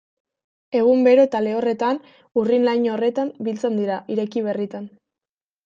Egun bero eta lehorretan urrin-laino horretan biltzen dira, ireki berritan.